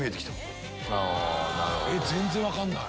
全然分かんない。